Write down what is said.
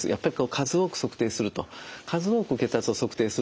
数多く血圧を測定するとですね